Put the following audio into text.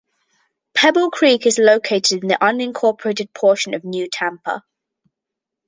Pebble Creek is located in the unincorporated portion of New Tampa.